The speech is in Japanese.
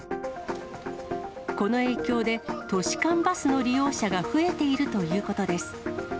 この影響で、都市間バスの利用者が増えているということです。